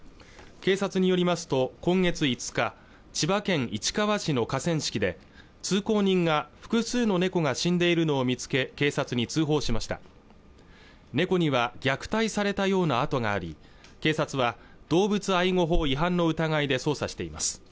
警察によりますと今月５日千葉県市川市の河川敷で通行人が複数の猫が死んでいるのを見つけ警察に通報しました猫には虐待されたような跡があり警察は動物愛護法違反の疑いで捜査しています